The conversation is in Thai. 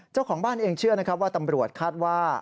เจ้าของบ้านเองเชื่อนะครับว่าตำรวจคาดว่า